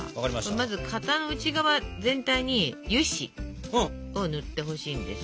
まず型の内側全体に油脂を塗ってほしいんです。